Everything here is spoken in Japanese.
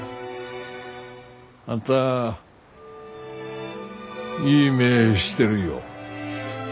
あんたいい目してるよ。